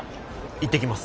行ってきます。